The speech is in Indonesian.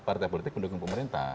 partai politik pendukung pemerintah